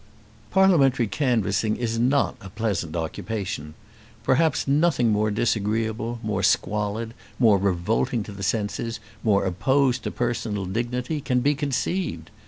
Parliamentary canvassing is not a pleasant occupation. Perhaps nothing more disagreeable, more squalid, more revolting to the senses, more opposed to personal dignity, can be conceived.